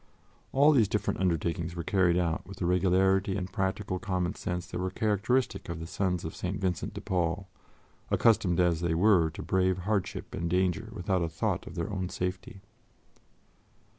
All these different undertakings were carried out with the regularity and practical common sense that were characteristic of the sons of St. Vincent de Paul, accustomed as they were to brave hardship and danger without a thought of their own safety.